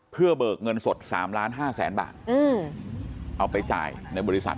เพื่อเบิกเงินสด๓ล้านห้าแสนบาทเอาไปจ่ายในบริษัท